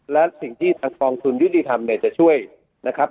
และสิ่งที่ทางกองทุนยุติธรรมเนี่ยจะช่วยนะครับ